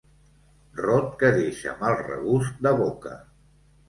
Rot que deixa mal regust de boca.